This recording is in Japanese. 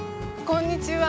こんにちは。